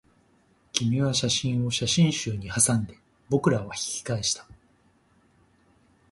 君は写真を写真集にはさんで、僕らは引き返した